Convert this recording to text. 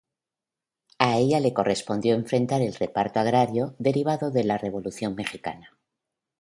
A ella le correspondió enfrentar el reparto agrario derivado de la Revolución mexicana.